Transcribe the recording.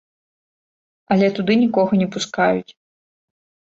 Але туды нікога не пускаюць.